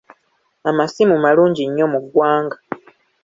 Amasimu malungi nnyo mu ggwanga.